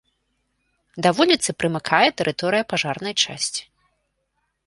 Да вуліцы прымыкае тэрыторыя пажарнай часці.